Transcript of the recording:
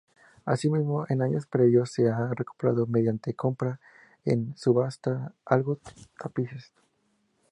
Así mismo en años previos se han recuperado, mediante compra en subasta, algunos tapices.